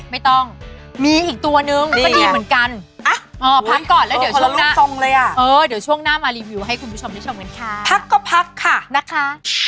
ไม่ต้องมีอีกตัวนึงก็ดีเหมือนกันพักก่อนแล้วเดี๋ยวช่วงหน้ามารีวิวให้คุณผู้ชมได้ชมกันค่ะพักก็พักค่ะนะคะ